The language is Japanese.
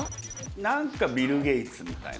何かビル・ゲイツみたいな。